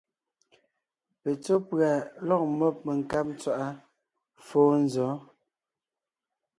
Petsɔ́ pʉ̀a lɔ̂g mɔ́b menkáb ntswaʼá fóo nzɔ̌?